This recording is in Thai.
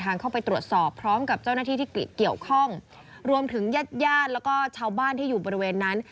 เข้าไปตรวจสอบพร้อมกับเจ้าหน้าที่ที่เกี่ยวข้องรวมถึงญาติญาติแล้วก็ชาวบ้านที่อยู่บริเวณนั้น